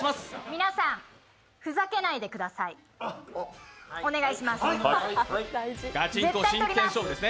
皆さん、ふざけないでください、お願いします。